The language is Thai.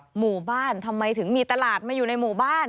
หมู่บ้านทำไมถึงมีตลาดมาอยู่ในหมู่บ้าน